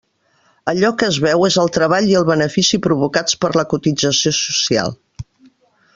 Allò que es veu és el treball i el benefici provocats per la cotització social.